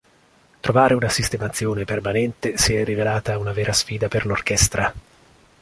Trovare una sistemazione permanente si è rivelata una vera sfida per l'orchestra.